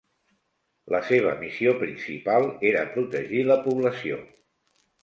La seva missió principal era protegir la població.